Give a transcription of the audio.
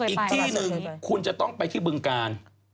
อีกที่หนึ่งคุณจะต้องไปที่บึงกาล